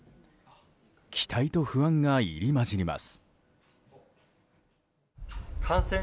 期待と不安が入り混じります。